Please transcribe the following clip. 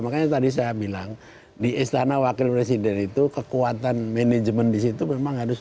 makanya tadi saya bilang di istana wakil presiden itu kekuatan manajemen di situ memang harus